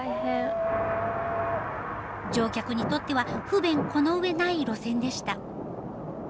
乗客にとっては不便このうえない路線でした。